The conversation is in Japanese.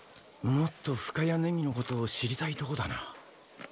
もっと深谷ねぎの事を知りたいとこだな。